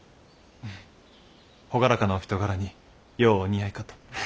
朗らかなお人柄にようお似合いかと。へへ。